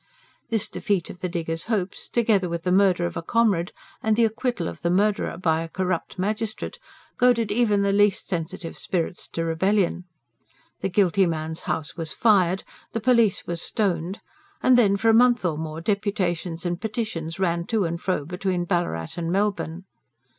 This defeat of the diggers' hopes, together with the murder of a comrade and the acquittal of the murderer by a corrupt magistrate, goaded even the least sensitive spirits to rebellion: the guilty man's house was fired, the police were stoned, and then, for a month or more, deputations and petitions ran to and fro between Ballarat and Melbourne.